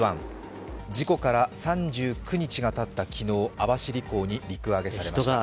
事故から３９日がたった昨日、網走港に陸揚げされました。